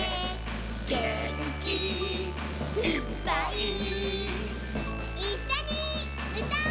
「げんきいっぱい」「いっしょにうたおう！」